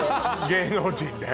芸能人で。